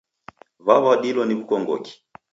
Waw'adilo ni w'ukongoki?